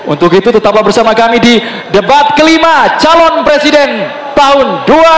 untuk itu tetaplah bersama kami di debat kelima calon presiden tahun dua ribu sembilan belas